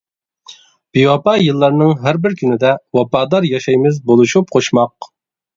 بىۋاپا يىللارنىڭ ھەر بىر كۈنىدە، ۋاپادار ياشايمىز بولۇشۇپ قوشماق.